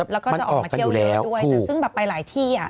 แล้วก็จะออกมาเที่ยวเล่นด้วยแต่ซึ่งแบบไปหลายที่อ่ะ